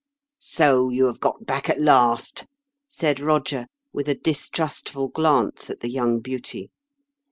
"So you have got back at last!" said Eoger, with a distrustful glance at the young beauty.